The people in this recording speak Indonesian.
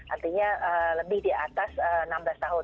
artinya lebih di atas enam belas tahun